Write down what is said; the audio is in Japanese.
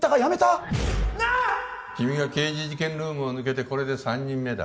君が刑事事件ルームを抜けてこれで３人目だ